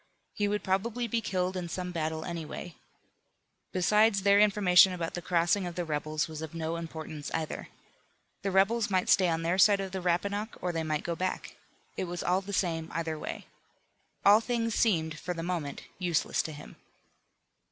He would probably be killed in some battle anyway. Besides, their information about the crossing of the rebels was of no importance either. The rebels might stay on their side of the Rappahannock, or they might go back. It was all the same either way. All things seemed, for the moment, useless to him.